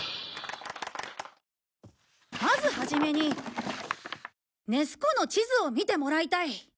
まずはじめにネス湖の地図を見てもらいたい。